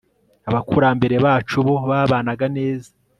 abakurambere bacu bo babanaga neza